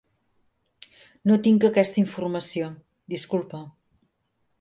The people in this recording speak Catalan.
No tinc aquesta informació, disculpa.